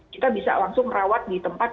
kita bisa langsung merawat di tempat